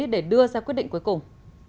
ngoài ra quyết định cuối cùng